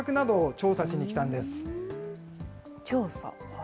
調査？